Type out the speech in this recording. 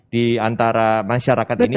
di antara masyarakat ini